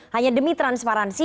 hanya demi transparansi